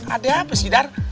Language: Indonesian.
ada apa sih dar